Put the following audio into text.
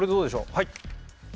はい。